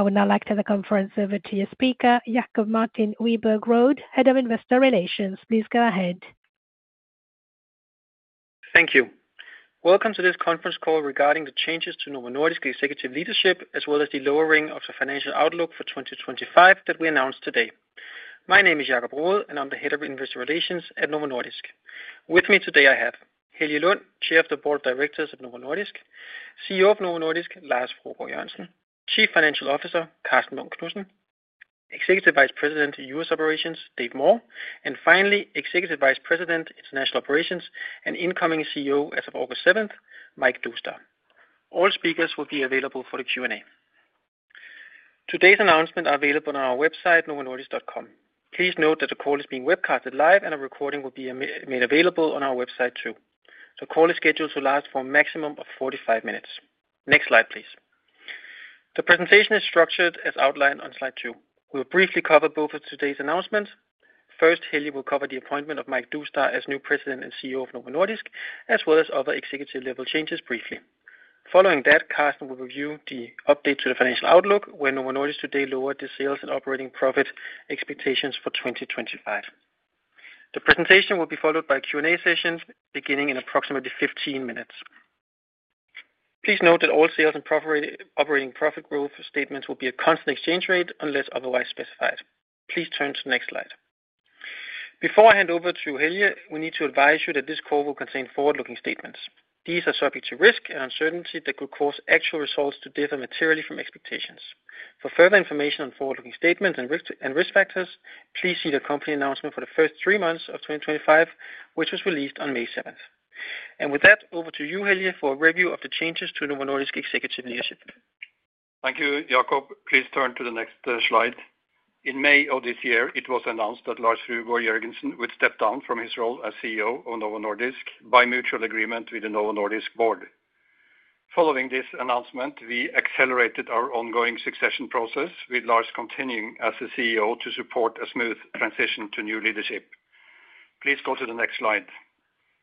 I would now like to have the conference over to your speaker, Jacob Martin Wiborg Rode, Head of Investor Relations. Please go ahead. Thank you. Welcome to this conference call regarding the changes to Novo Nordisk's executive leadership, as well as the lowering of the financial outlook for 2025 that we announced today. My name is Jacob Rohde, and I'm the Head of Investor Relations at Novo Nordisk. With me today, I have Helge Lund, Chair of the Board of Directors at Novo Nordisk; CEO of Novo Nordisk, Lars Fruergaard Jørgensen; Chief Financial Officer, Karsten Munk Knudsen; Executive Vice President, U.S. Operations, Dave Moore; and finally, Executive Vice President, International Operations, and incoming CEO as of August 7, Mike Doustdar. All speakers will be available for the Q&A. Today's announcements are available on our website, novonordisk.com. Please note that the call is being webcast live, and a recording will be made available on our website too. The call is scheduled to last for a maximum of 45 minutes. Next slide, please. The presentation is structured as outlined on slide two. We'll briefly cover both of today's announcements. First, Helge will cover the appointment of Mike Doustdar as new President and CEO of Novo Nordisk, as well as other executive-level changes briefly. Following that, Karsten will review the update to the financial outlook, where Novo Nordisk today lowered the sales and operating profit expectations for 2025. The presentation will be followed by a Q&A session beginning in approximately 15 minutes. Please note that all sales and operating profit growth statements will be at constant exchange rate unless otherwise specified. Please turn to the next slide. Before I hand over to Helge, we need to advise you that this call will contain forward-looking statements. These are subject to risk and uncertainty that could cause actual results to differ materially from expectations. For further information on forward-looking statements and risk factors, please see the company announcement for the first three months of 2025, which was released on May 7. With that, over to you, Helge, for a review of the changes to Novo Nordisk's executive leadership. Thank you, Jacob. Please turn to the next slide. In May of this year, it was announced that Lars Fruergaard Jørgensen would step down from his role as CEO of Novo Nordisk by mutual agreement with the Novo Nordisk Board. Following this announcement, we accelerated our ongoing succession process, with Lars continuing as the CEO to support a smooth transition to new leadership. Please go to the next slide.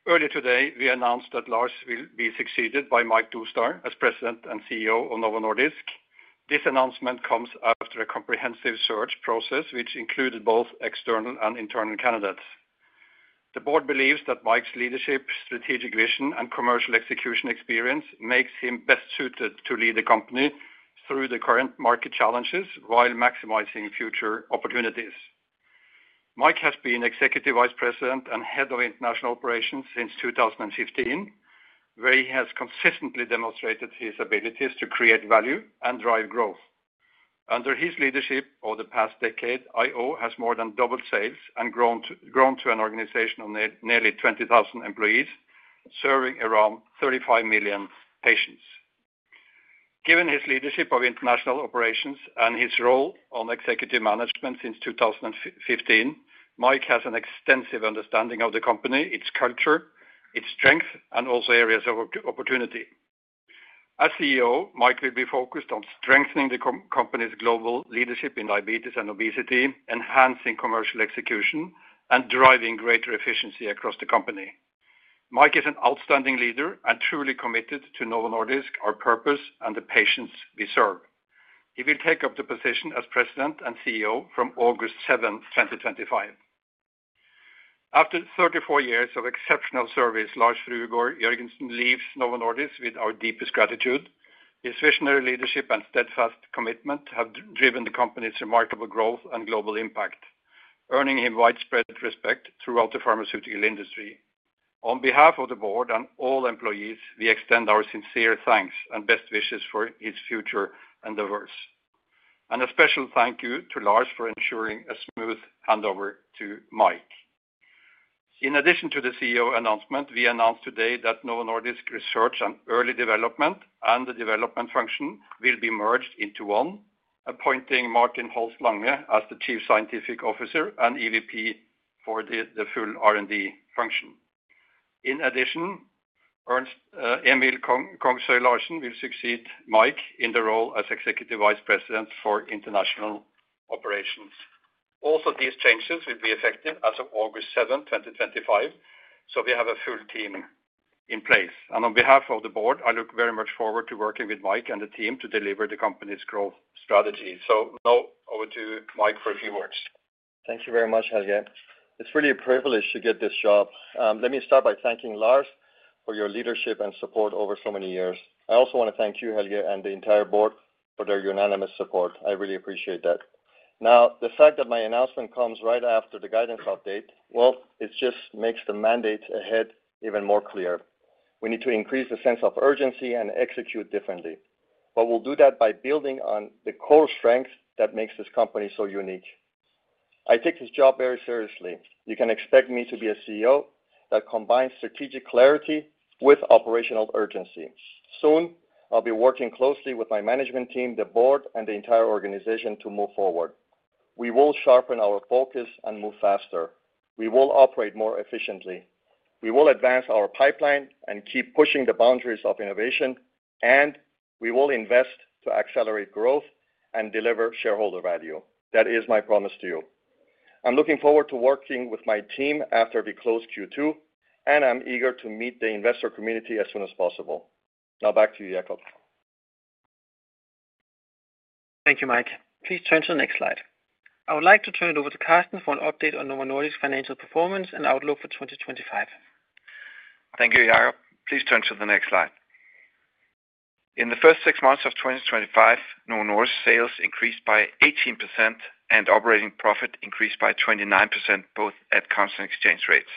Earlier today, we announced that Lars will be succeeded by Mike Doustdar as President and CEO of Novo Nordisk. This announcement comes after a comprehensive search process which included both external and internal candidates. The Board believes that Mike's leadership, strategic vision, and commercial execution experience make him best suited to lead the company through the current market challenges while maximizing future opportunities. Mike has been Executive Vice President and Head of International Operations since 2015, where he has consistently demonstrated his abilities to create value and drive growth. Under his leadership, over the past decade, I/O has more than doubled sales and grown to an organization of nearly 20,000 employees, serving around 35 million patients. Given his leadership of international operations and his role on executive management since 2015, Mike has an extensive understanding of the company, its culture, its strengths, and also areas of opportunity. As CEO, Mike will be focused on strengthening the company's global leadership in diabetes and obesity, enhancing commercial execution, and driving greater efficiency across the company. Mike is an outstanding leader and truly committed to Novo Nordisk, our purpose, and the patients we serve. He will take up the position as President and CEO from August 7th, 2025. After 34 years of exceptional service, Lars Fruergaard Jørgensen leaves Novo Nordisk with our deepest gratitude. His visionary leadership and steadfast commitment have driven the company's remarkable growth and global impact, earning him widespread respect throughout the pharmaceutical industry. On behalf of the Board and all employees, we extend our sincere thanks and best wishes for his future and the verse. A special thank you to Lars for ensuring a smooth handover to Mike. In addition to the CEO announcement, we announced today that Novo Nordisk research and early development and the development function will be merged into one, appointing Martin Holst-Lange as the Chief Scientific Officer and EVP for the full R&D function. In addition, Emil Kongsøye Larsen will succeed Mike in the role as Executive Vice President for International Operations. The fact that my announcement comes right after the guidance update just makes the mandate ahead even more clear. We need to increase the sense of urgency and execute differently. We will do that by building on the core strength that makes this company so unique. I take this job very seriously. You can expect me to be a CEO that combines strategic clarity with operational urgency. Soon, I'll be working closely with my management team, the Board, and the entire organization to move forward. We will sharpen our focus and move faster. We will operate more efficiently. We will advance our pipeline and keep pushing the boundaries of innovation. We will invest to accelerate growth and deliver shareholder value. That is my promise to you. I'm looking forward to working with my team after we close Q2, and I'm eager to meet the investor community as soon as possible. Now, back to you, Jacob. Thank you, Mike. Please turn to the next slide. I would like to turn it over to Karsten for an update on Novo Nordisk's financial performance and outlook for 2025. Thank you, Jacob. Please turn to the next slide. In the first six months of 2025, Novo Nordisk's sales increased by 18% and operating profit increased by 29%, both at constant exchange rates.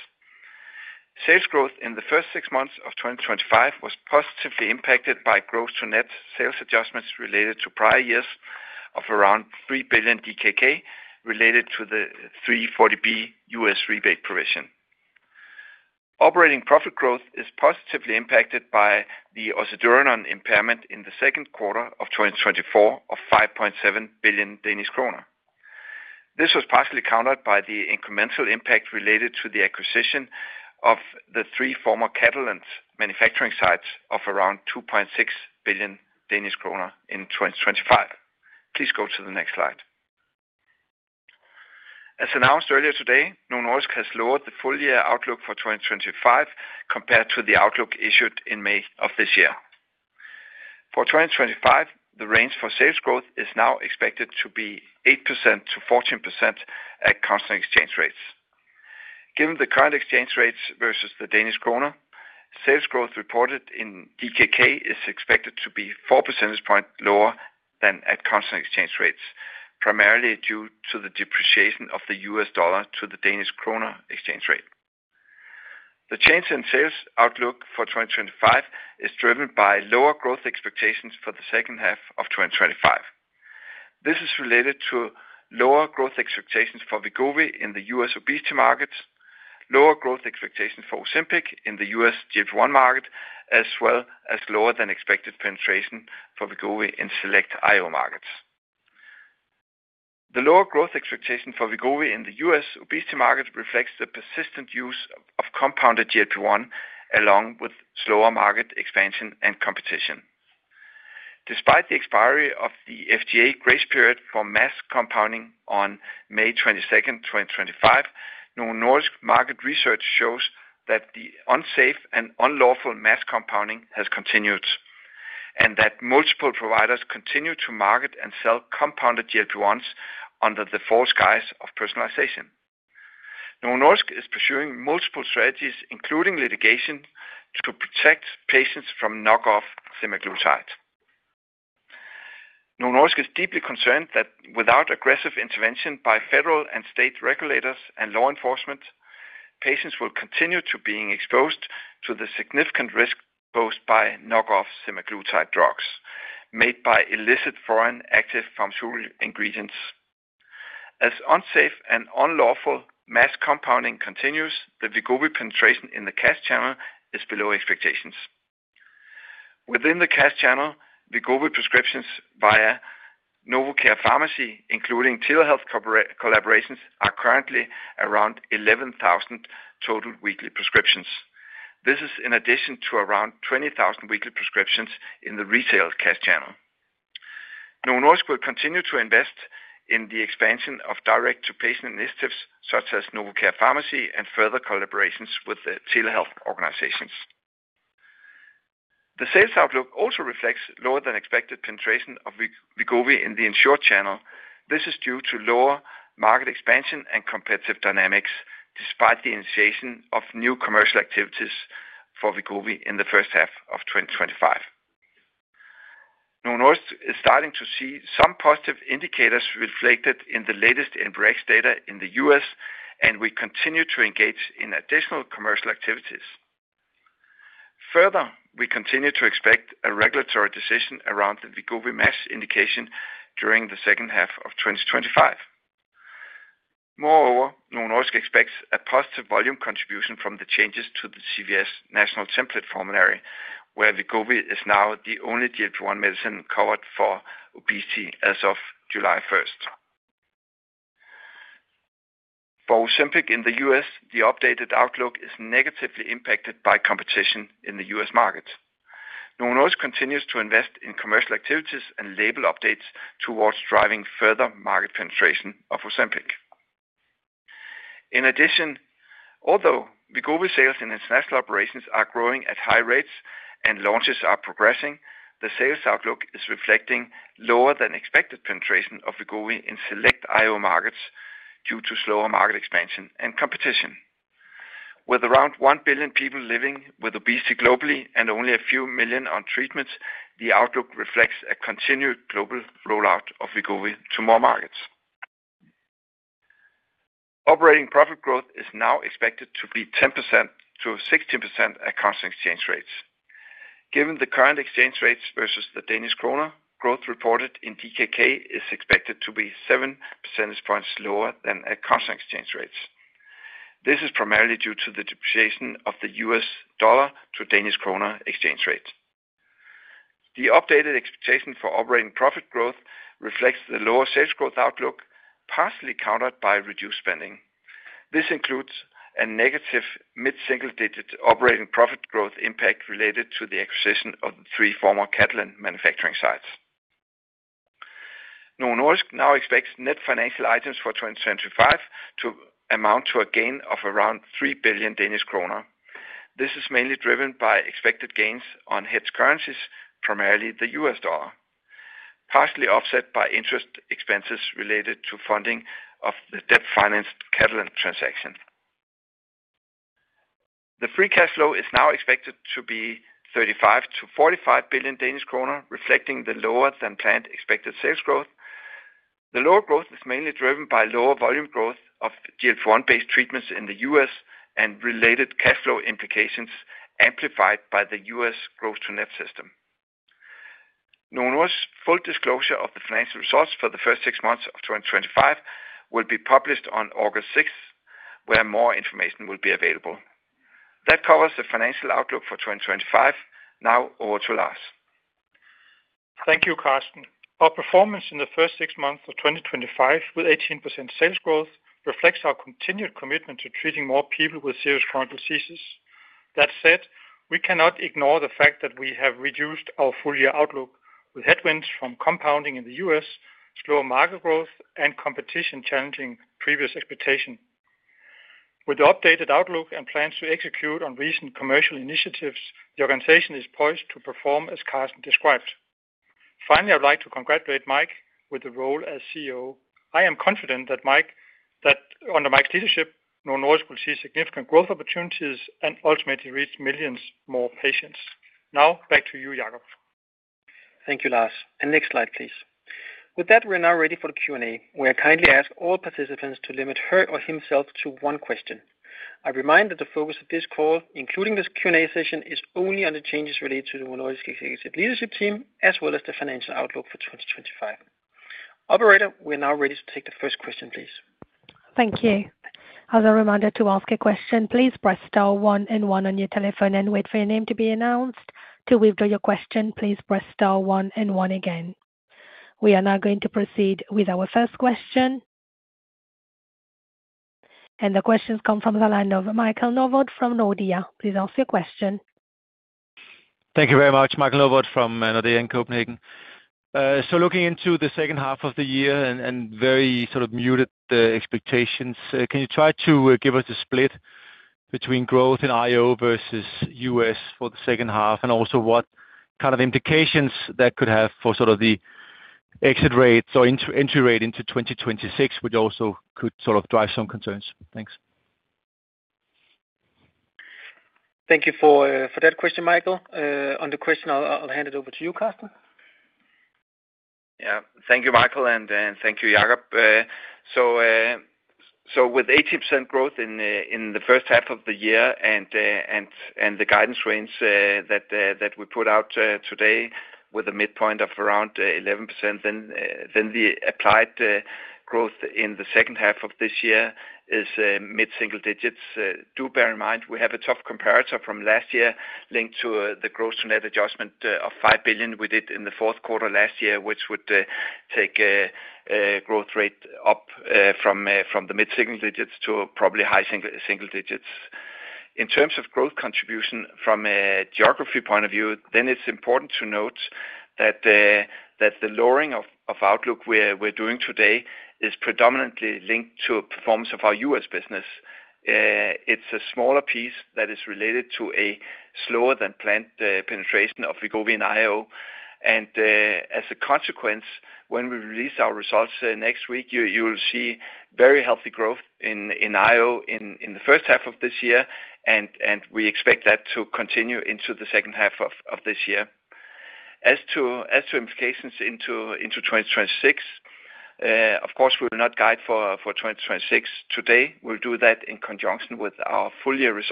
Sales growth in the first six months of 2025 was positively impacted by gross-to-net sales adjustments related to prior years of around 3 billion DKK, related to the 340B U.S. rebate provision. Operating profit growth is positively impacted by the Ozoduranon impairment in the second quarter of 2024 of 5.7 billion Danish kroner. This was partially countered by the incremental impact related to the acquisition of the three former Catalent manufacturing sites of around 2.6 billion Danish kroner in 2025. Please go to the next slide. As announced earlier today, Novo Nordisk has lowered the full-year outlook for 2025 compared to the outlook issued in May of this year. For 2025, the range for sales growth is now expected to be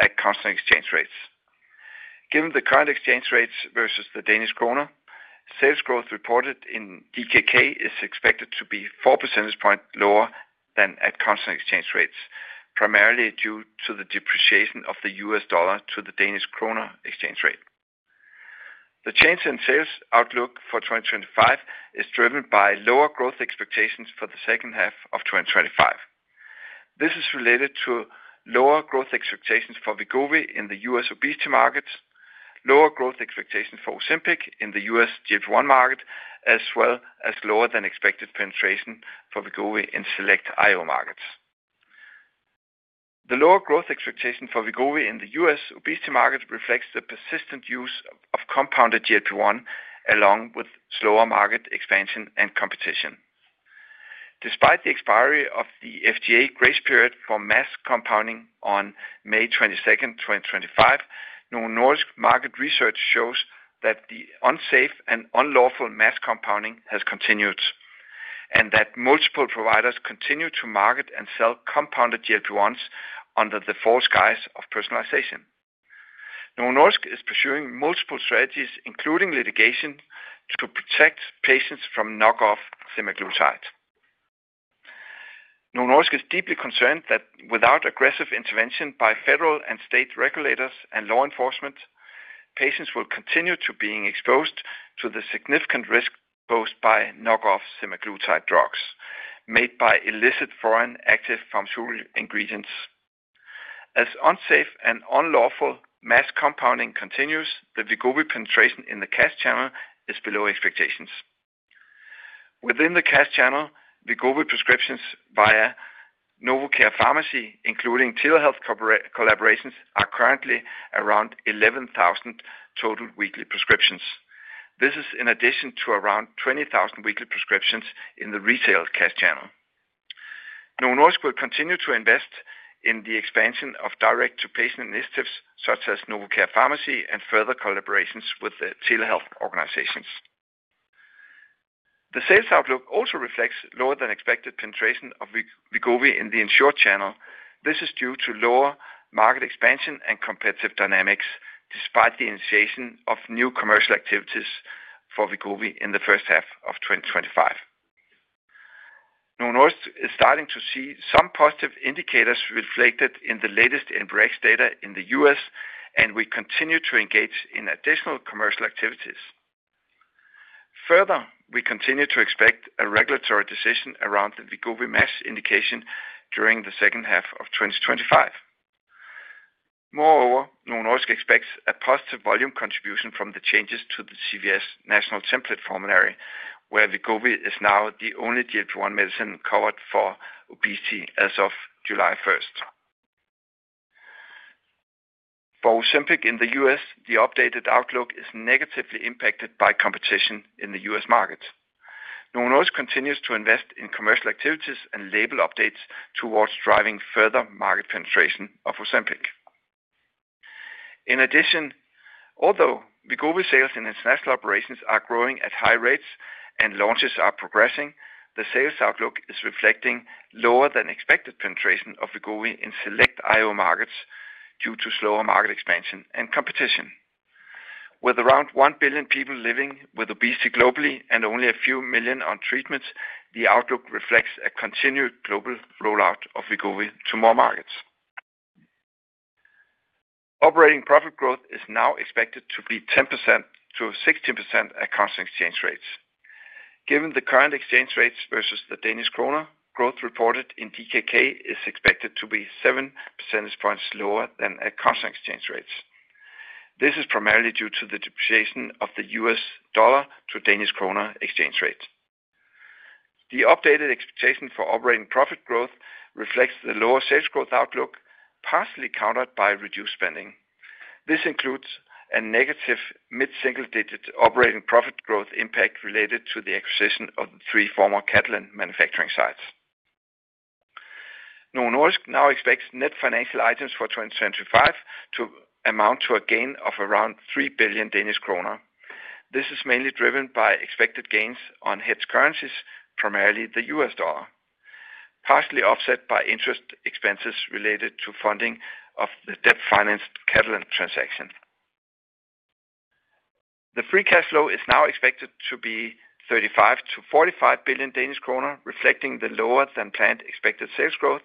at constant exchange rates. Given the current exchange rates versus the Danish kroner, sales growth reported in DKK is expected to be 4 percentage points lower than at constant exchange rates, primarily due to the depreciation of the U.S. dollar to the Danish kroner exchange rate. The change in sales outlook for 2025 is driven by lower growth expectations for the second half of 2025. This is related to lower growth expectations for Wegovy in the U.S. obesity markets, lower growth expectations for Ozempic in the U.S. GLP-1 market, as well as lower-than-expected penetration for Wegovy in select international operations markets. The lower growth expectations for Wegovy in the U.S. obesity market reflects the persistent use of compounded GLP-1, along with slower market expansion and competition. Despite the expiry of the FDA grace period for mass compounding on May 22, 2025, Novo Nordisk market research shows that the unsafe and unlawful mass compounding has continued, and that multiple providers continue to market and sell compounded GLP-1s under the false guise of personalization. Novo Nordisk is pursuing multiple strategies, including litigation, to protect patients from knockoff semaglutide. Nordisk is deeply concerned that without aggressive intervention by federal and state regulators and law enforcement, patients will continue to be exposed to the significant risk posed by knockoff semaglutide drugs made by illicit foreign active pharmaceutical ingredients. As unsafe and unlawful mass compounding continues, the Wegovy penetration in the CAS channel is below expectations. Within the CAS channel, Wegovy prescriptions via Novocare Pharmacy, including Telehealth collaborations, are currently around 11,000 total weekly prescriptions. This is in addition to around 20,000 weekly prescriptions in the retail CAS channel. Novo Nordisk will continue to invest in the expansion of direct-to-patient initiatives such as Novocare Pharmacy and further collaborations with the Telehealth organizations. The sales outlook also reflects lower-than-expected penetration of Wegovy in the insured channel. This is due to lower market expansion and competitive dynamics, despite the initiation of new commercial activities for Wegovy in the first half of 2025. Nordisk is starting to see some positive indicators reflected in the latest NBRX data in the U.S., and we continue to engage in additional commercial activities. Further, we continue to expect a regulatory decision around the Wegovy MASH indication during the second half of 2025. Moreover, Novo Nordisk expects a positive volume contribution from the changes to the CVS National Template Formulary, where Wegovy is now the only GLP-1 medicine covered for obesity as of July 1. For Ozempic in the U.S., the updated outlook is negatively impacted by competition in the U.S. market. Novo Nordisk continues to invest in commercial activities and label updates towards driving further market penetration of Ozempic. In addition, although Wegovy sales in its international operations are growing at high rates and launches are progressing, the sales outlook is reflecting lower-than-expected penetration of Wegovy in select I/O markets due to slower market expansion and competition. With around 1 billion people living with obesity globally and only a few million on treatment, the outlook reflects a continued global rollout of Wegovy to more markets. Operating profit growth is now expected to be 10%-16% at constant exchange rates. Given the current exchange rates versus the Danish kroner, growth reported in DKK is expected to be 7 percentage points lower than at constant exchange rates. This is primarily due to the depreciation of the U.S. dollar to Danish kroner exchange rate. The updated expectation for operating profit growth reflects the lower sales growth outlook, partially countered by reduced spending. This includes a negative mid-single-digit operating profit growth impact related to the acquisition of the three former Catalent manufacturing sites. Novo Nordisk now expects net financial items for 2025 to amount to a gain of around 3 billion Danish kroner. This is mainly driven by expected gains on hedge currencies, primarily the U.S. dollar, partially offset by interest expenses related to funding of the debt-financed Catalent transaction. The free cash flow is now expected to be 35 billion-45 billion Danish kroner, reflecting the lower-than-planned expected sales growth.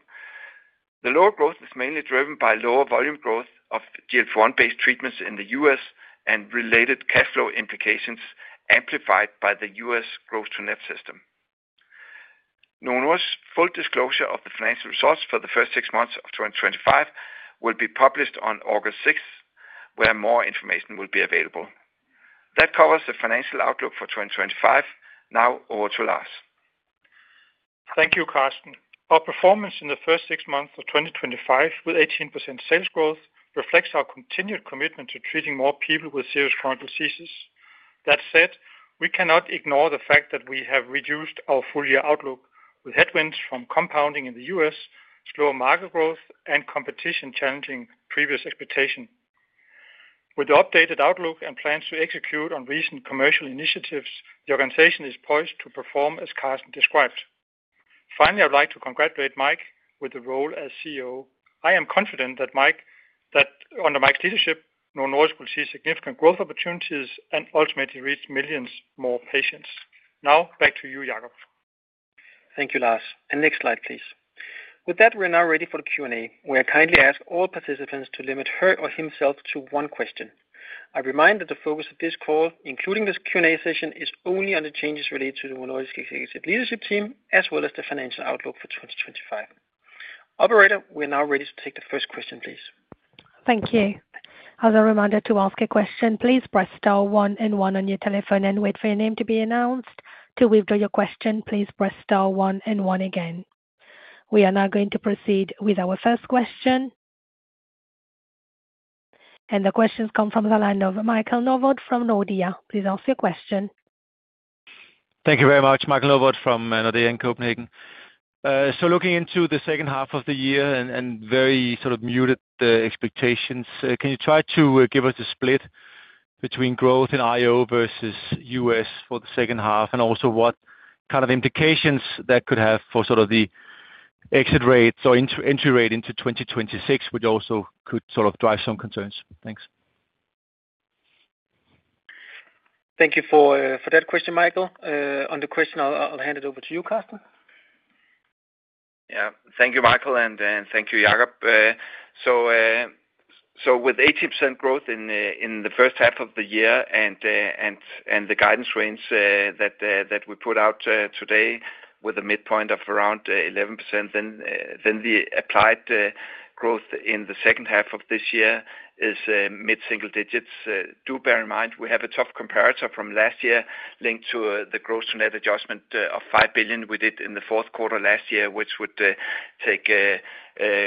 The lower growth is mainly driven by lower volume growth of GLP-1-based treatments in the U.S. and related cash flow implications amplified by the U.S. gross-to-net system. Novo Nordisk's full disclosure of the financial results for the first six months of 2025 will be published on August 6, where more information will be available. That covers the financial outlook for 2025. Now over to Lars. Thank you, Karsten. Our performance in the first six months of 2025, with 18% sales growth, reflects our continued commitment to treating more people with serious chronic diseases. That said, we cannot ignore the fact that we have reduced our full-year outlook, with headwinds from compounding in the US, slower market growth, and competition challenging previous expectations. With the updated outlook and plans to execute on recent commercial initiatives, the organization is poised to perform as Karsten described. Finally, I would like to congratulate Mike with the role as CEO. I am confident that under Mike's leadership, Novo Nordisk will see significant growth opportunities and ultimately reach millions more patients. Now, back to you, Jacob. Thank you, Lars. Next slide, please. With that, we are now ready for the Q&A. We kindly ask all participants to limit her or himself to one question. I remind that the focus of this call, including this Q&A session, is only on the changes related to the Novo Nordisk Executive Leadership Team, as well as the financial outlook for 2025. Operator, we are now ready to take the first question, please. Thank you. As a reminder to ask a question, please press star one and one on your telephone and wait for your name to be announced. To withdraw your question, please press star one and one again. We are now going to proceed with our first question. The questions come from the line of Michael Novod from Nordea. Please ask your question. Thank you very much, Michael Novod from Nordea in Copenhagen. Looking into the second half of the year and very sort of muted expectations, can you try to give us a split between growth in I/O versus U.S. for the second half, and also what kind of implications that could have for the exit rates or entry rate into 2026, which also could sort of drive some concerns? Thanks. Thank you for that question, Michael. On the question, I'll hand it over to you, Karsten. Yeah. Thank you, Michael, and thank you, Jacob. With 18% growth in the first half of the year and the guidance range that we put out today with a midpoint of around 11%, the applied growth in the second half of this year is mid-single digits. Do bear in mind we have a tough comparator from last year linked to the gross-to-net adjustment of 5 billion we did in the fourth quarter last year, which would take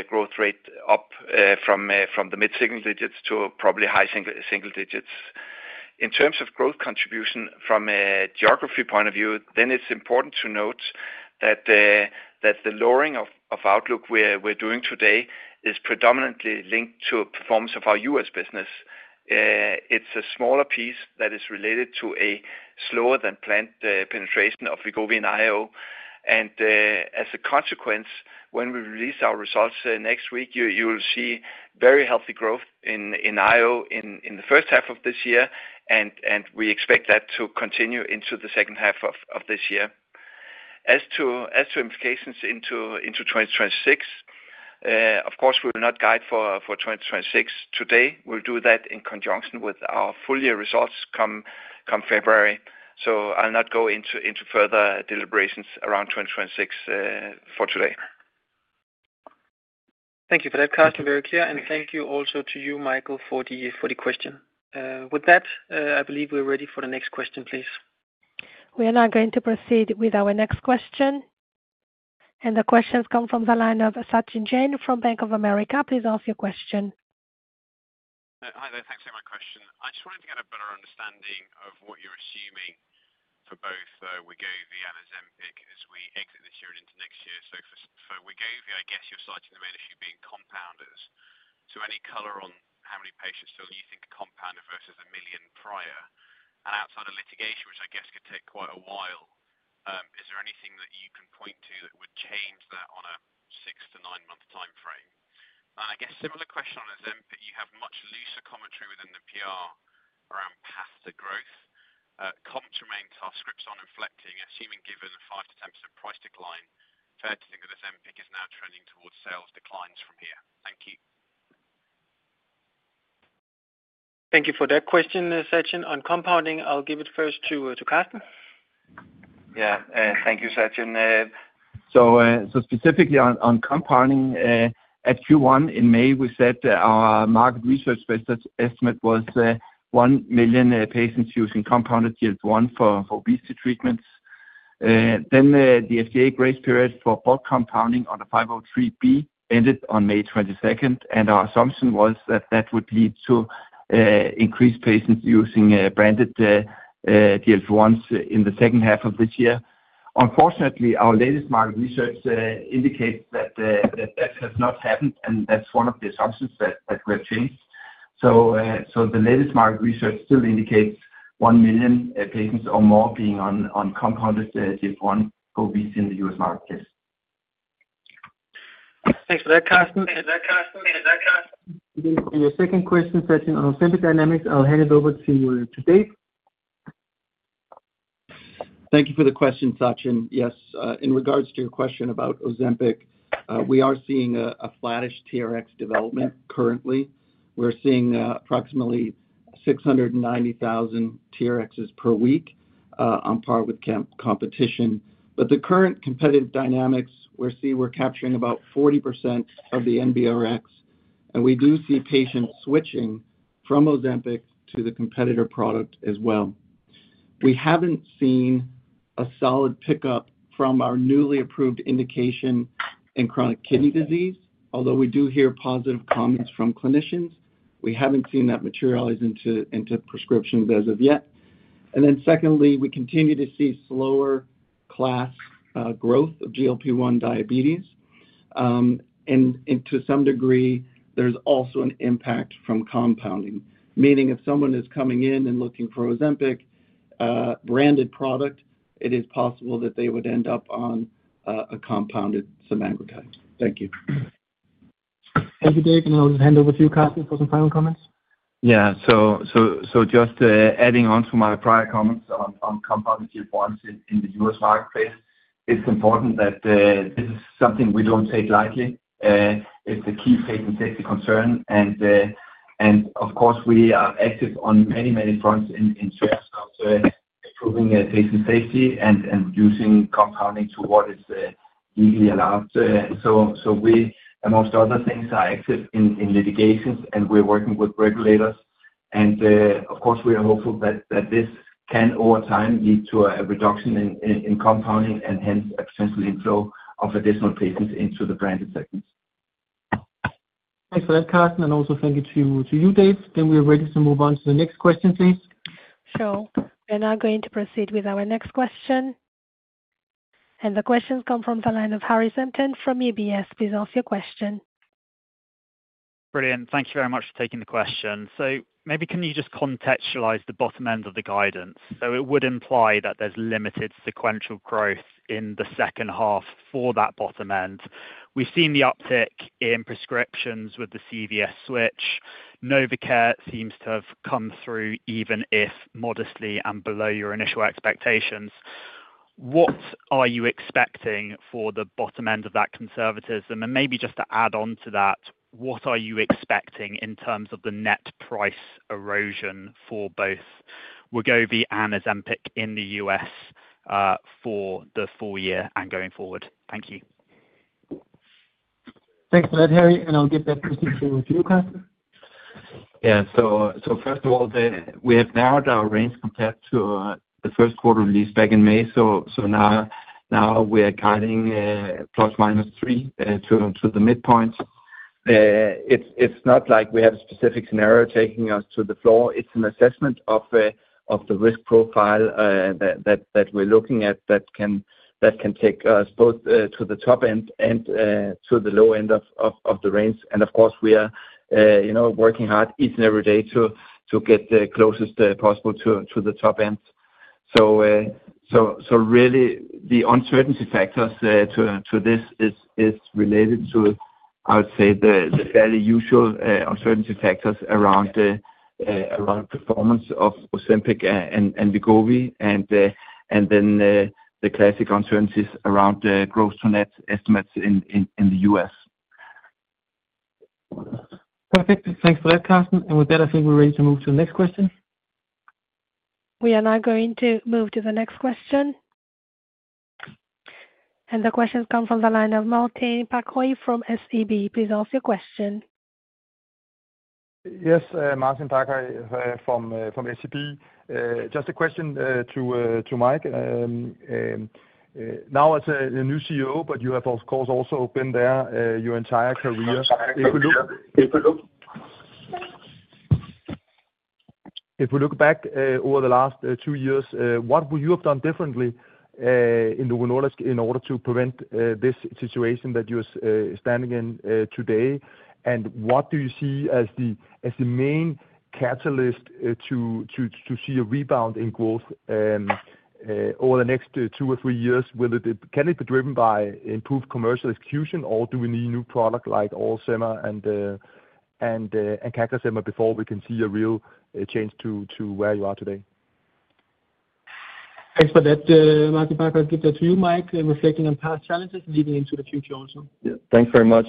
growth rate up from the mid-single digits to probably high single digits. In terms of growth contribution from a geography point of view, it is important to note that the lowering of outlook we are doing today is predominantly linked to performance of our U.S. business. It's a smaller piece that is related to a slower-than-planned penetration of Wegovy in I/O. As a consequence, when we release our results next week, you will see very healthy growth in I/O in the first half of this year, and we expect that to continue into the second half of this year. As to implications into 2026, of course, we will not guide for 2026 today. We will do that in conjunction with our full-year results come February. I will not go into further deliberations around 2026 for today. Thank you for that, Karsten, very clear. Thank you also to you, Michael, for the question. With that, I believe we are ready for the next question, please. We are now going to proceed with our next question. The questions come from the line of Sachin Jain from Bank of America. Please ask your question. Hi there. Thanks for my question. I just wanted to get a better understanding of what you're assuming for both Wegovy and Ozempic as we exit this year and into next year. For Wegovy, I guess you're citing the main issue being compounders. Any color on how many patients still do you think compounded versus a million prior? Outside of litigation, which I guess could take quite a while, is there anything that you can point to that would change that on a six- to nine-month time frame? I guess similar question on Ozempic, you have much looser commentary within the PR around path to growth. Comments remain, so our scripts aren't inflecting, assuming given a 5-10% price decline, fair to think that Ozempic is now trending towards sales declines from here. Thank you. Thank you for that question, Sachin. On compounding, I'll give it first to Karsten. Yeah. Thank you, Sachin. Specifically on compounding, at Q1 in May, we said that our market research estimate was 1 million patients using compounded GLP-1 for obesity treatments. The FDA grace period for bulk compounding on the 503B ended on May 22, and our assumption was that that would lead to increased patients using branded GLP-1s in the second half of this year. Unfortunately, our latest market research indicates that that has not happened, and that's one of the assumptions that we have changed. The latest market research still indicates 1 million patients or more being on compounded GLP-1 for obesity in the U.S. marketplace. Thanks for that, Karsten. Thank you for that, Karsten. Your second question, Sachin, on Ozempic dynamics, I'll hand it over to you today. Thank you for the question, Sachin. Yes. In regards to your question about Ozempic, we are seeing a flattish TRX development currently. We are seeing approximately 690,000 TRXs per week on par with competition. With the current competitive dynamics, we are capturing about 40% of the NBRX, and we do see patients switching from Ozempic to the competitor product as well. We have not seen a solid pickup from our newly approved indication in chronic kidney disease, although we do hear positive comments from clinicians. We have not seen that materialize into prescriptions as of yet. Secondly, we continue to see slower class growth of GLP-1 diabetes. To some degree, there is also an impact from compounding, meaning if someone is coming in and looking for Ozempic branded product, it is possible that they would end up on a compounded semaglutide. Thank you. Thank you, Dave. I'll just hand over to you, Karsten, for some final comments. Yeah. Just adding on to my prior comments on compounded GLP-1s in the U.S. marketplace, it's important that this is something we do not take lightly. It's a key patient safety concern. Of course, we are active on many, many fronts in terms of improving patient safety and reducing compounding to what is legally allowed. We, amongst other things, are active in litigations, and we're working with regulators. Of course, we are hopeful that this can, over time, lead to a reduction in compounding and hence a potential inflow of additional patients into the branded segments. Thanks for that, Karsten. Also thank you to you, Dave. We're ready to move on to the next question, please. Sure. We're now going to proceed with our next question. The questions come from the line of Harry from UBS. Please ask your question. Brilliant. Thank you very much for taking the question. Maybe can you just contextualize the bottom end of the guidance? It would imply that there's limited sequential growth in the second half for that bottom end. We've seen the uptick in prescriptions with the CVS switch. Novocare seems to have come through even if modestly and below your initial expectations. What are you expecting for the bottom end of that conservatism? Maybe just to add on to that, what are you expecting in terms of the net price erosion for both Wegovy and Ozempic in the U.S. for the full year and going forward? Thank you. Thanks for that, Harry. I'll get that question through to you, Karsten. Yeah. First of all, we have narrowed our range compared to the first quarter release back in May. Now we are guiding plus minus three to the midpoint. It is not like we have a specific scenario taking us to the floor. It is an assessment of the risk profile that we are looking at that can take us both to the top end and to the low end of the range. Of course, we are working hard each and every day to get the closest possible to the top end. Really, the uncertainty factors to this are related to, I would say, the fairly usual uncertainty factors around performance of Ozempic and Wegovy, and then the classic uncertainties around the gross-to-net estimates in the U.S. Perfect. Thanks for that, Karsten. With that, I think we are ready to move to the next question. We are now going to move to the next question. The questions come from the line of Martin Parkhøi from SEB. Please ask your question. Yes, Martin Parkhøi from SEB. Just a question to Mike. Now, as a new CEO, but you have, of course, also been there your entire career. If we look back over the last two years, what would you have done differently in Novo Nordisk in order to prevent this situation that you're standing in today? What do you see as the main catalyst to see a rebound in growth over the next two or three years? Can it be driven by improved commercial execution, or do we need a new product like Ozempic and CagriSema before we can see a real change to where you are to day? Thanks for that, Martin Parkhøi. I'll give that to you, Mike, reflecting on past challenges leading into the future also. Yeah. Thanks very much.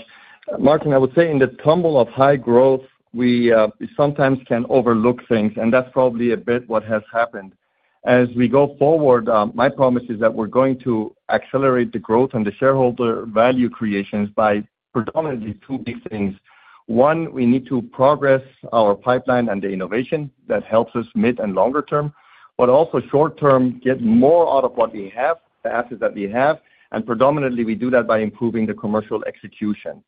Martin, I would say in the tumble of high growth, we sometimes can overlook things, and that's probably a bit what has happened. As we go forward, my promise is that we're going to accelerate the growth and the shareholder value creations by predominantly two big things. One, we need to progress our pipeline and the innovation that helps us mid and longer term, but also short-term get more out of what we have, the assets that we have, and predominantly, we do that by improving the commercial execution.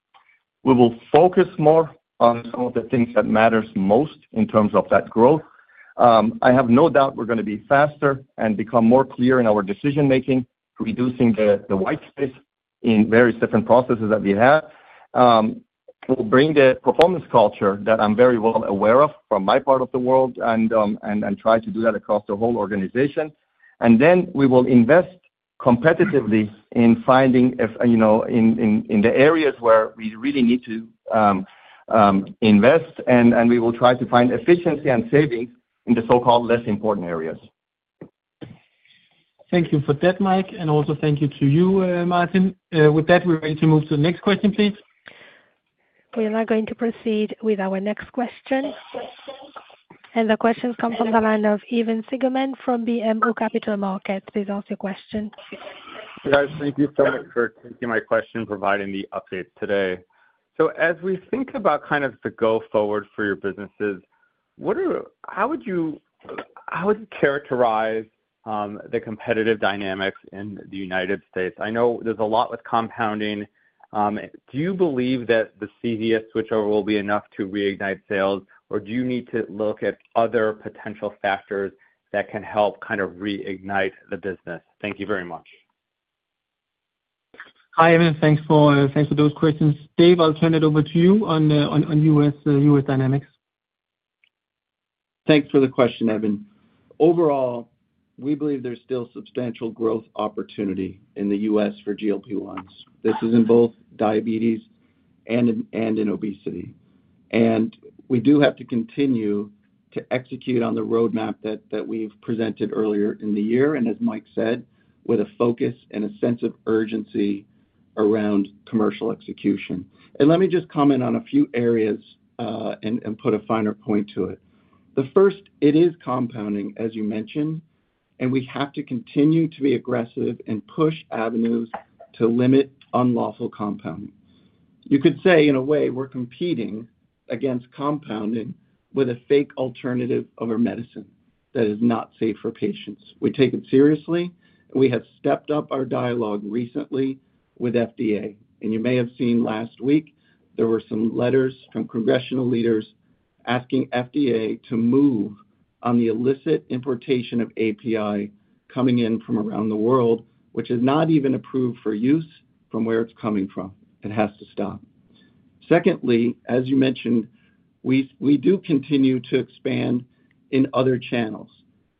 We will focus more on some of the things that matter most in terms of that growth. I have no doubt we're going to be faster and become more clear in our decision-making, reducing the white space in various different processes that we have. We'll bring the performance culture that I'm very well aware of from my part of the world and try to do that across the whole organization. We will invest competitively in finding in the areas where we really need to invest, and we will try to find efficiency and savings in the so-called less important areas. Thank you for that, Mike. Thank you to you, Martin. With that, we're ready to move to the next question, please. We are now going to proceed with our next question. The questions come from the line of Evan David Seigerman from BMO Capital Markets. Please ask your question. Thank you so much for taking my question, providing the updates today. As we think about kind of the go-forward for your businesses, how would you characterize the competitive dynamics in the U.S.? I know there's a lot with compounding. Do you believe that the CVS switchover will be enough to reignite sales, or do you need to look at other potential factors that can help kind of reignite the business? Thank you very much. Hi, Evan. Thanks for those questions. Dave, I'll turn it over to you on U.S. dynamics. Thanks for the question, Evan. Overall, we believe there's still substantial growth opportunity in the U.S. for GLP-1s. This is in both diabetes and in obesity. We do have to continue to execute on the roadmap that we've presented earlier in the year, and as Mike said, with a focus and a sense of urgency around commercial execution. Let me just comment on a few areas and put a finer point to it. The first, it is compounding, as you mentioned, and we have to continue to be aggressive and push avenues to limit unlawful compounding. You could say, in a way, we're competing against compounding with a fake alternative of a medicine that is not safe for patients. We take it seriously. We have stepped up our dialogue recently with FDA. You may have seen last week, there were some letters from congressional leaders asking FDA to move on the illicit importation of API coming in from around the world, which is not even approved for use from where it's coming from. It has to stop. Secondly, as you mentioned, we do continue to expand in other channels.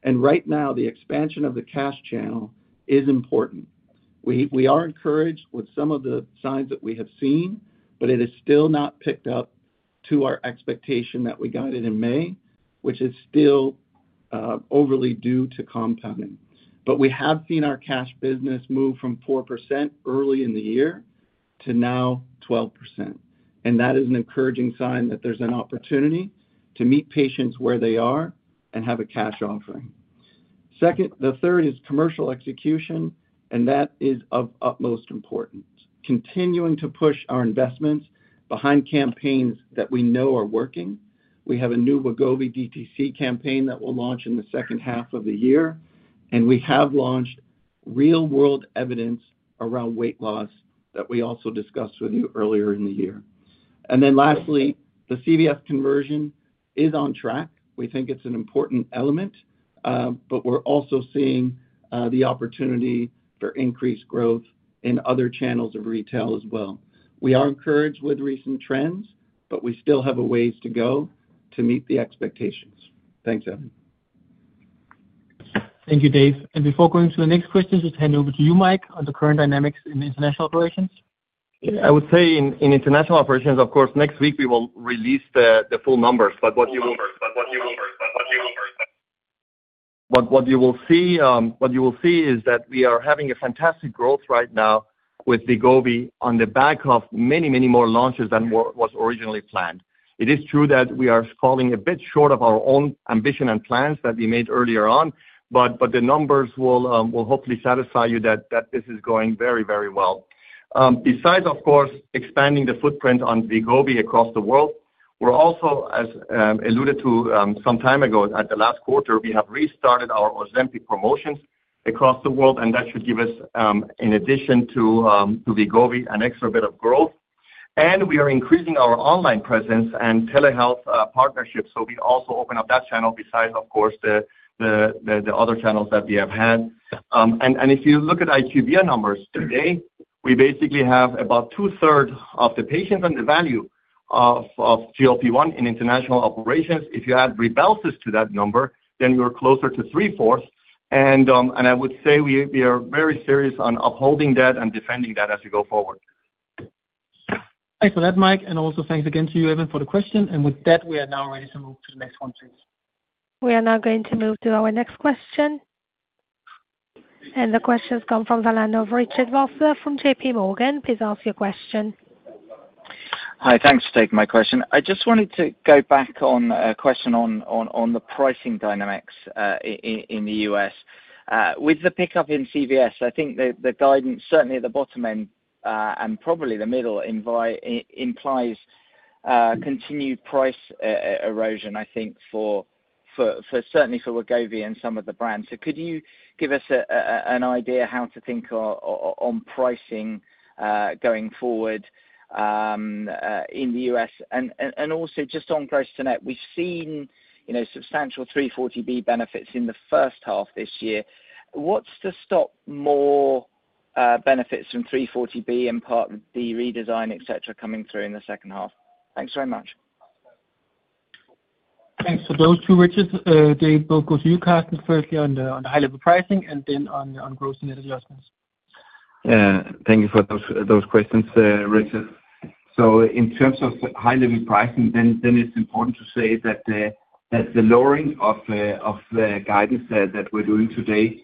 Right now, the expansion of the cash channel is important. We are encouraged with some of the signs that we have seen, but it is still not picked up to our expectation that we got it in May, which is still overly due to compounding. We have seen our cash business move from 4% early in the year to now 12%. That is an encouraging sign that there is an opportunity to meet patients where they are and have a cash offering. The third is commercial execution, and that is of utmost importance. Continuing to push our investments behind campaigns that we know are working. We have a new Wegovy DTC campaign that will launch in the second half of the year, and we have launched real-world evidence around weight loss that we also discussed with you earlier in the year. Lastly, the CVS conversion is on track. We think it's an important element, but we're also seeing the opportunity for increased growth in other channels of retail as well. We are encouraged with recent trends, but we still have a ways to go to meet the expectations. Thanks, Evan. Thank you, Dave. Before going to the next questions, just hand over to you, Mike, on the current dynamics in international operations. I would say in international operations, of course, next week we will release the full numbers, but what you will see is that we are having a fantastic growth right now with Wegovy on the back of many, many more launches than was originally planned. It is true that we are falling a bit short of our own ambition and plans that we made earlier on, but the numbers will hopefully satisfy you that this is going very, very well. Besides, of course, expanding the footprint on Wegovy across the world, we're also, as alluded to some time ago at the last quarter, we have restarted our Ozempic promotions across the world, and that should give us, in addition to Wegovy, an extra bit of growth. We are increasing our online presence and telehealth partnership, so we also open up that channel besides, of course, the other channels that we have had. If you look at IQVIA numbers today, we basically have about two-thirds of the patients and the value of GLP-1 in international operations. If you add Rybelsus to that number, then we're closer to three-fourths. I would say we are very serious on upholding that and defending that as we go forward. Thanks for that, Mike. Also thanks again to you, Evan, for the question. With that, we are now ready to move to the next one, please. We are now going to move to our next question. The questions come from the line of Richard Vosser from JPMorgan. Please ask your question. Hi, thanks for taking my question. I just wanted to go back on a question on the pricing dynamics in the US. With the pickup in CVS, I think the guidance, certainly at the bottom end and probably the middle, implies continued price erosion, I think, certainly for Wegovy and some of the brands. Could you give us an idea how to think on pricing going forward in the US? Also, just on gross-to-net, we've seen substantial 340B benefits in the first half this year. What's to stop more benefits from 340B and part of the redesign, etc., coming through in the second half? Thanks very much. Thanks for those two, Richard. Dave, both of you, Karsten, firstly on the high-level pricing and then on growth and adjustments. Thank you for those questions, Richard. In terms of high-level pricing, it is important to say that the lowering of guidance that we are doing today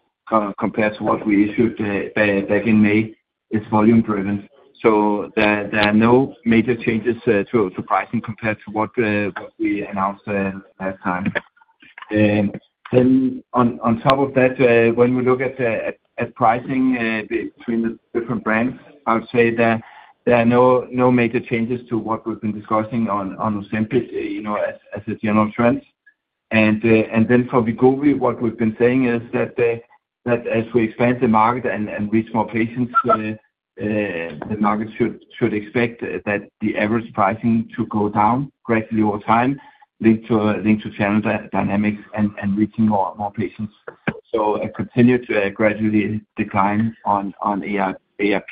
compared to what we issued back in May is volume-driven. There are no major changes to pricing compared to what we announced last time. On top of that, when we look at pricing between the different brands, I would say there are no major changes to what we have been discussing on Ozempic as a general trend. For Wegovy, what we have been saying is that as we expand the market and reach more patients, the market should expect that the average pricing should go down gradually over time, linked to channel dynamics and reaching more patients. A continued gradual decline on ARP,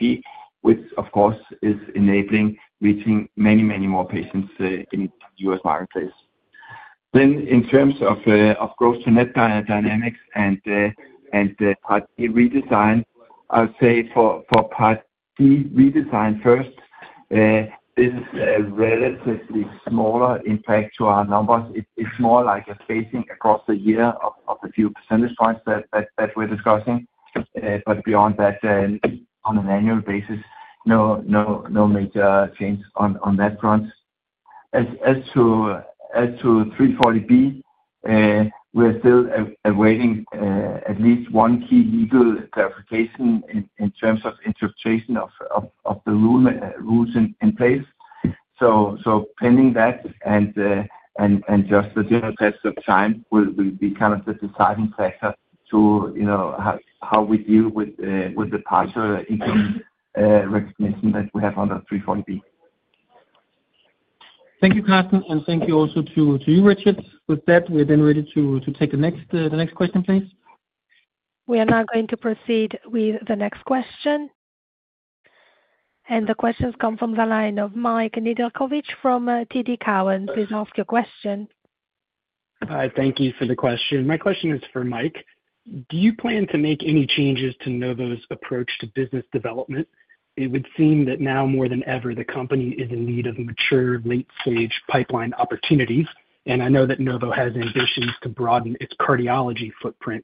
which, of course, is enabling reaching many, many more patients in the U.S. marketplace. In terms of gross-to-net dynamics and the Part D redesign, I would say for Part D redesign first, this is a relatively smaller impact to our numbers. It is more like a spacing across the year of the few percentage points that we are discussing. Beyond that, on an annual basis, no major change on that front. As to 340B, we are still awaiting at least one key legal clarification in terms of interpretation of the rules in place. Pending that and just the general test of time will be kind of the deciding factor to how we deal with the partial recognition that we have under 340B. Thank you, Karsten, and thank you also to you, Richard. With that, we're then ready to take the next question, please. We are now going to proceed with the next question. The questions come from the line of Mike Nedelcovych from TD Cowen. Please ask your question. Hi, thank you for the question. My question is for Mike. Do you plan to make any changes to Novo's approach to business development? It would seem that now more than ever, the company is in need of mature late-stage pipeline opportunities. I know that Novo has ambitions to broaden its cardiology footprint.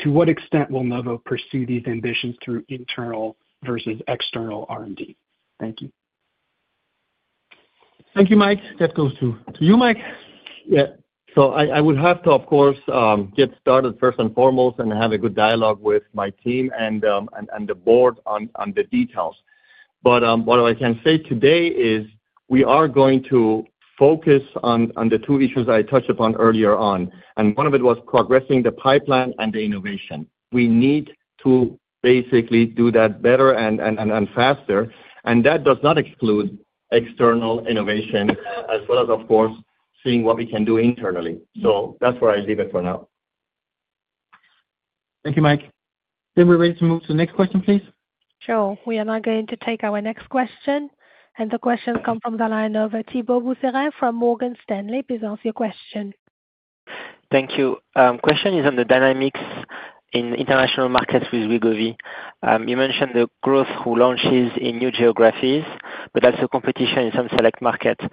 To what extent will Novo pursue these ambitions through internal versus external R&D? Thank you. Thank you, Mike. That goes to you, Mike. Yeah. I would have to, of course, get started first and foremost and have a good dialogue with my team and the Board on the details. What I can say today is we are going to focus on the two issues I touched upon earlier on. One of it was progressing the pipeline and the innovation. We need to basically do that better and faster. That does not exclude external innovation as well as, of course, seeing what we can do internally. That is where I leave it for now. Thank you, Mike. We are ready to move to the next question, please. Sure. We are now going to take our next question. The questions come from the line of Thibault Boutherin from Morgan Stanley. Please ask your question. Thank you. The question is on the dynamics in international markets with Wegovy. You mentioned the growth through launches in new geographies, but also competition in some select markets.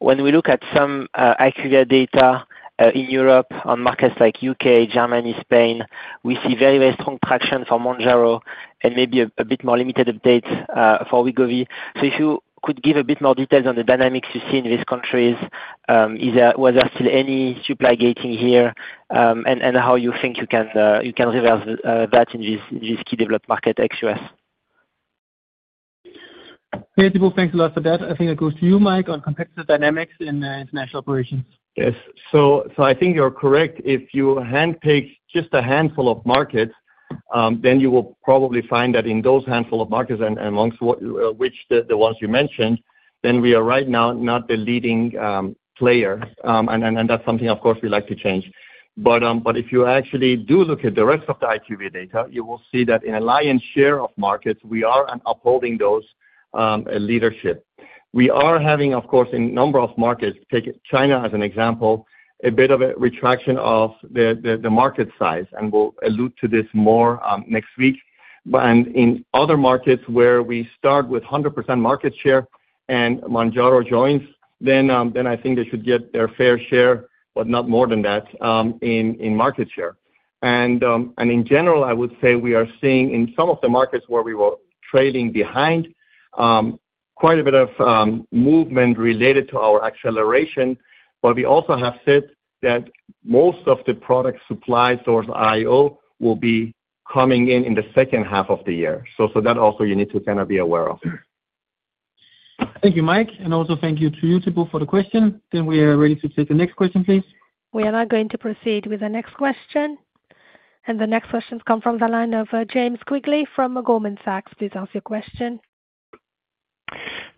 When we look at some IQVIA data in Europe on markets like U.K., Germany, Spain, we see very, very strong traction for Mounjaro and maybe a bit more limited updates for Wegovy. If you could give a bit more details on the dynamics you see in these countries, was there still any supply gating here and how you think you can reverse that in this key developed market, XUS? Thank you, Thibault. Thanks a lot for that. I think it goes to you, Mike, on competitive dynamics in international operations. Yes. I think you're correct. If you handpick just a handful of markets, then you will probably find that in those handful of markets and amongst which the ones you mentioned, then we are right now not the leading player. That's something, of course, we'd like to change. If you actually do look at the rest of the IQVIA data, you will see that in a lion's share of markets, we are upholding those leadership. We are having, of course, in a number of markets, take China as an example, a bit of a retraction of the market size. We will allude to this more next week. In other markets where we start with 100% market share and Mounjaro joins, I think they should get their fair share, but not more than that in market share. In general, I would say we are seeing in some of the markets where we were trailing behind quite a bit of movement related to our acceleration. We also have said that most of the product supply source IO will be coming in in the second half of the year. That also you need to kind of be aware of. Thank you, Mike. Thank you to you, Thibault, for the question. We are ready to take the next question, please. We are now going to proceed with the next question. The next questions come from the line of James Quigley from Goldman Sachs. Please ask your question.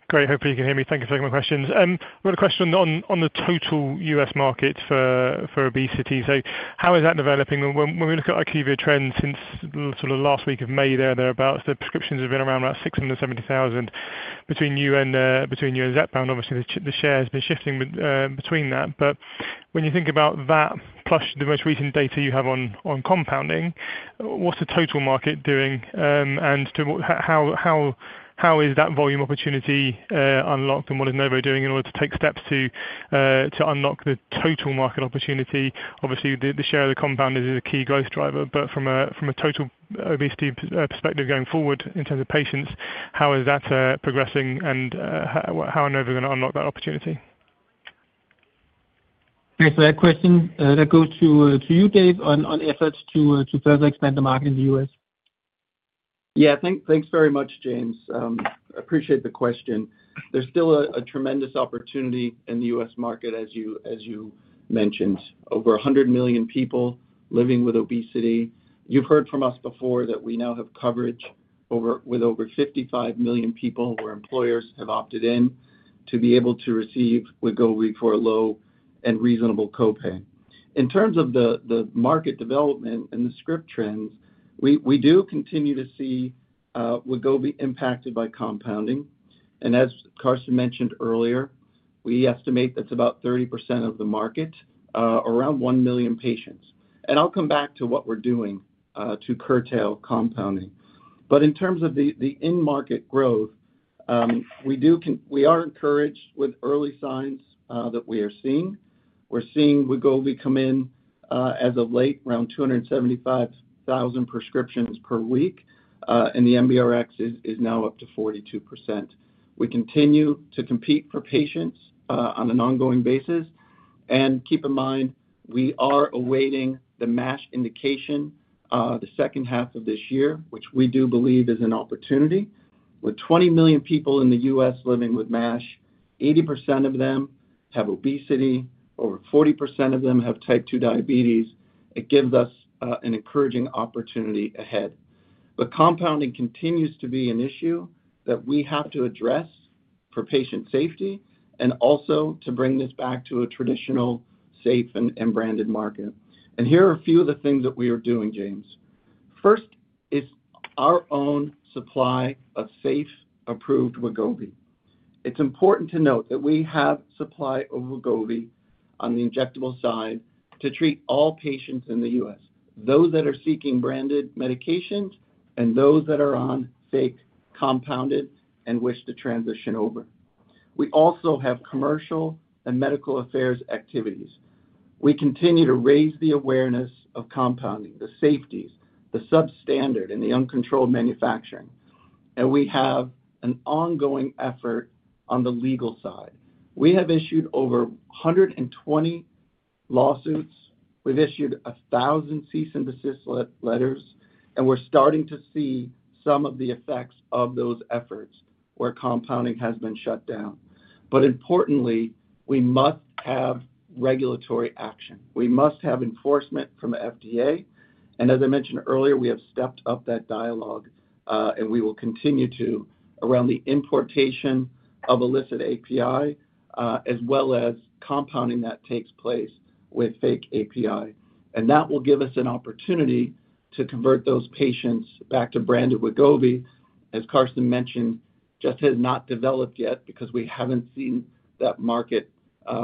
Great. Hopefully, you can hear me. Thank you for taking my questions. We've got a question on the total U.S. market for obesity. How is that developing? When we look at IQVIA trend since sort of last week of May, thereabouts, the prescriptions have been around 670,000 between you and Zepp, and obviously, the share has been shifting between that. When you think about that, plus the most recent data you have on compounding, what's the total market doing? How is that volume opportunity unlocked? What is Novo doing in order to take steps to unlock the total market opportunity? Obviously, the share of the compounders is a key growth driver. From a total obesity perspective going forward in terms of patients, how is that progressing? How are Novo going to unlock that opportunity? Thanks for that question. That goes to you, Dave, on efforts to further expand the market in the U.S. Yeah. Thanks very much, James. I appreciate the question. There is still a tremendous opportunity in the U.S. market, as you mentioned. Over 100 million people living with obesity. You have heard from us before that we now have coverage with over 55 million people where employers have opted in to be able to receive Wegovy for a low and reasonable copay. In terms of the market development and the script trends, we do continue to see Wegovy impacted by compounding. As Karsten mentioned earlier, we estimate that is about 30% of the market, around 1 million patients. I will come back to what we are doing to curtail compounding. In terms of the in-market growth, we are encouraged with early signs that we are seeing. We are seeing Wegovy come in as of late, around 275,000 prescriptions per week. The NBRX is now up to 42%. We continue to compete for patients on an ongoing basis. Keep in mind, we are awaiting the MASH indication the second half of this year, which we do believe is an opportunity. With 20 million people in the U.S. living with MASH, 80% of them have obesity, over 40% of them have type 2 diabetes, it gives us an encouraging opportunity ahead. Compounding continues to be an issue that we have to address for patient safety and also to bring this back to a traditional, safe, and branded market. Here are a few of the things that we are doing, James. First is our own supply of safe, approved Wegovy. It's important to note that we have supply of Wegovy on the injectable side to treat all patients in the US, those that are seeking branded medications and those that are on fake compounded and wish to transition over. We also have commercial and medical affairs activities. We continue to raise the awareness of compounding, the safeties, the substandard, and the uncontrolled manufacturing. We have an ongoing effort on the legal side. We have issued over 120 lawsuits. We have issued 1,000 cease and desist letters. We're starting to see some of the effects of those efforts where compounding has been shut down. Importantly, we must have regulatory action. We must have enforcement from the FDA. As I mentioned earlier, we have stepped up that dialogue. We will continue to around the importation of illicit API, as well as compounding that takes place with fake API. That will give us an opportunity to convert those patients back to branded Wegovy. As Karsten mentioned, it just has not developed yet because we have not seen that market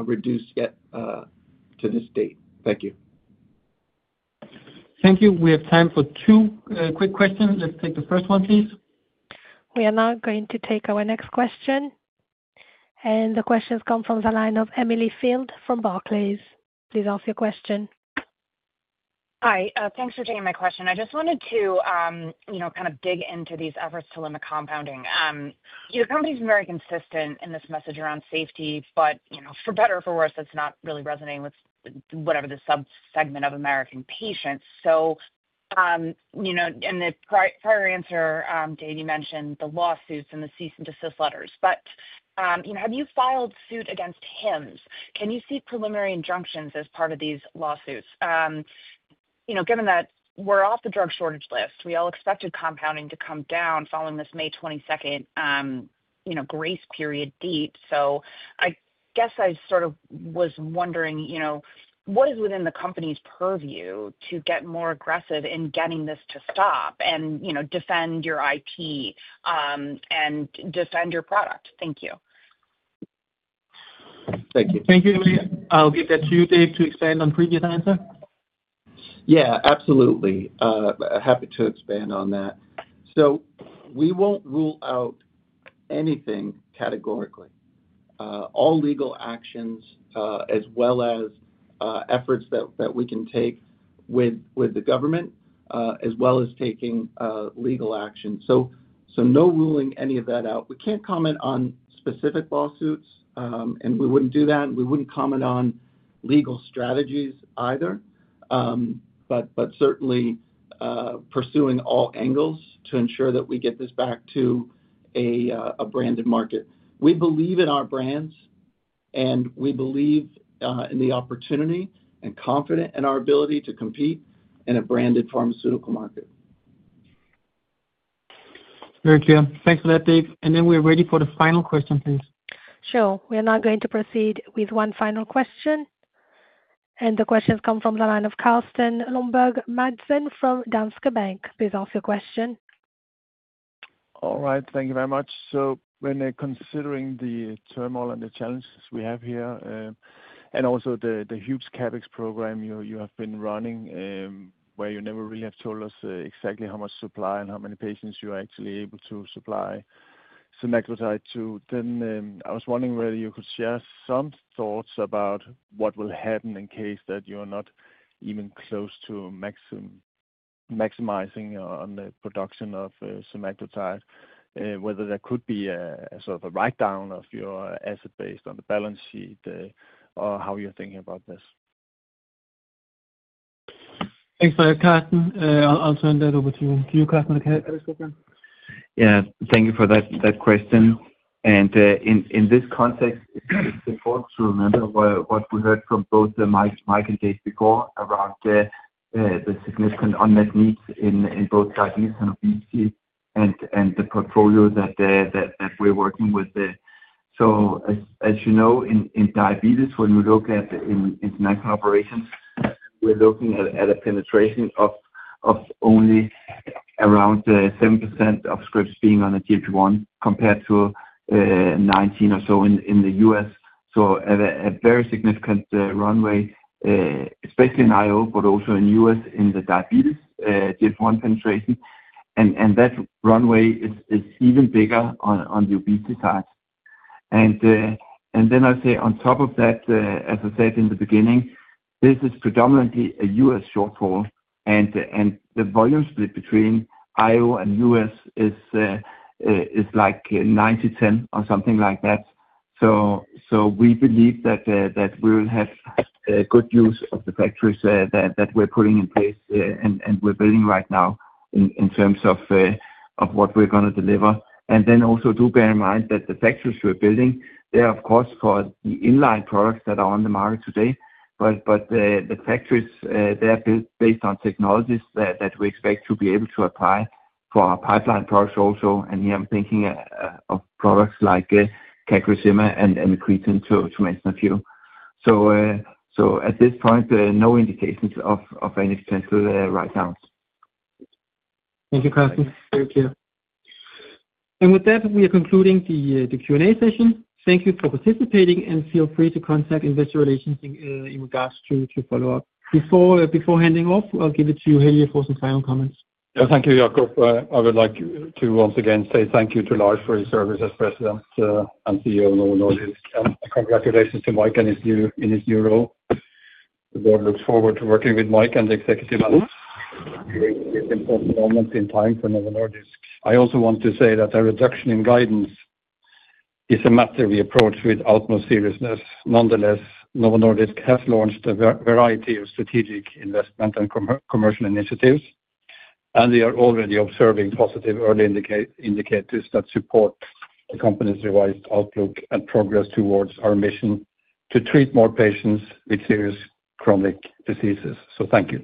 reduced yet to this date. Thank you. Thank you. We have time for two quick questions. Let's take the first one, please. We are now going to take our next question. The questions come from the line of Emily Field from Barclays. Please ask your question. Hi. Thanks for taking my question. I just wanted to kind of dig into these efforts to limit compounding. The company's been very consistent in this message around safety, but for better or for worse, it's not really resonating with whatever the subsegment of American patients. In the prior answer, Dave, you mentioned the lawsuits and the cease and desist letters. Have you filed suit against Hims? Can you see preliminary injunctions as part of these lawsuits? Given that we're off the drug shortage list, we all expected compounding to come down following this May 22 grace period deep. I guess I sort of was wondering, what is within the company's purview to get more aggressive in getting this to stop and defend your IP and defend your product? Thank you. Thank you. Thank you, Emily. I'll give that to you, Dave, to expand on previous answer. Yeah, absolutely. Happy to expand on that. We will not rule out anything categorically. All legal actions, as well as efforts that we can take with the government, as well as taking legal action. No ruling any of that out. We cannot comment on specific lawsuits. We would not do that. We would not comment on legal strategies either. Certainly pursuing all angles to ensure that we get this back to a branded market. We believe in our brands. We believe in the opportunity and are confident in our ability to compete in a branded pharmaceutical market. Very clear. Thanks for that, Dave. We are ready for the final question, please. Sure. We are now going to proceed with one final question. The questions come from the line of Carsten Lomberg Madsen from Danske Bank. Please ask your question. All right. Thank you very much. When considering the turmoil and the challenges we have here and also the huge CapEx program you have been running, where you never really have told us exactly how much supply and how many patients you're actually able to supply sumatriptan to, I was wondering whether you could share some thoughts about what will happen in case that you're not even close to maximizing on the production of sumatriptan, whether there could be a sort of a write-down of your asset based on the balance sheet or how you're thinking about this. Thanks for that, Karsten. I'll turn that over to you. Do you, Karsten, have a CapEx program? Yeah. Thank you for that question. In this context, it's important to remember what we heard from both Mike and Dave before around the significant unmet needs in both diabetes and obesity and the portfolio that we're working with. As you know, in diabetes, when we look at international operations, we're looking at a penetration of only around 7% of scripts being on a GLP-1 compared to 19% or so in the U.S. A very significant runway, especially in IO, but also in the U.S. in the diabetes GLP-1 penetration. That runway is even bigger on the obesity side. I'd say on top of that, as I said in the beginning, this is predominantly a U.S. shortfall. The volume split between IO and U.S. is like 90/10 or something like that. We believe that we will have good use of the factories that we're putting in place and we're building right now in terms of what we're going to deliver. Also, do bear in mind that the factories we're building, they're, of course, for the inline products that are on the market today. The factories, they're built based on technologies that we expect to be able to apply for our pipeline products also. Here I'm thinking of products like CagriSema and amycretin, to mention a few. At this point, no indications of any potential write-downs. Thank you, Karsten. Very clear. With that, we are concluding the Q&A session. Thank you for participating. Feel free to contact investor relations in regards to follow-up. Before handing off, I'll give it to you, Helge, for some final comments. Thank you, Jacob. I would like to once again say thank you to Lars for his service as President and CEO of Novo Nordisk. Congratulations to Mike in his new role. The Board looks forward to working with Mike and the executive management. It is an important moment in time for Novo Nordisk. I also want to say that a reduction in guidance is a matter we approach with utmost seriousness. Nonetheless, Novo Nordisk has launched a variety of strategic investment and commercial initiatives. We are already observing positive early indicators that support the company's revised outlook and progress towards our mission to treat more patients with serious chronic diseases. Thank you.